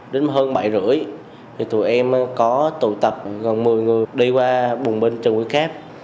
đến hơn bảy rưỡi thì tụi em có tụ tập gần một mươi người đi qua bùng bên trường quỹ khác